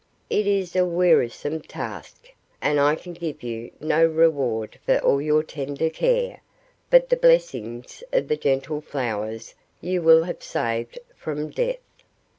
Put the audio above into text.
"It is a wearisome task, and I can give you no reward for all your tender care, but the blessings of the gentle flowers you will have saved from death.